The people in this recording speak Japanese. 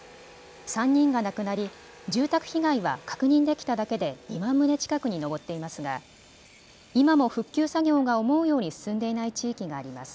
３人が亡くなり、住宅被害は確認できただけで２万棟近くに上っていますが今も復旧作業が思うように進んでいない地域があります。